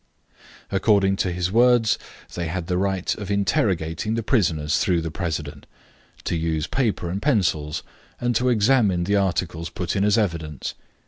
According to his words, they had the right of interrogating the prisoners through the president, to use paper and pencils, and to examine the articles put in as evidence.